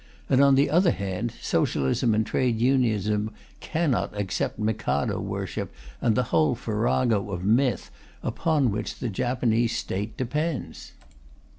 And on the other hand Socialism and Trade Unionism cannot accept Mikado worship and the whole farrago of myth upon which the Japanese State depends.